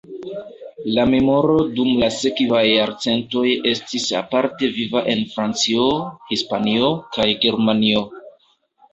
Lia memoro dum la sekvaj jarcentoj estis aparte viva en Francio, Hispanio kaj Germanio.